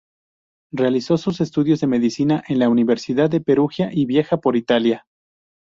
Realizó sus estudios de medicina en la Universidad de Perugia, y viaja por Italia.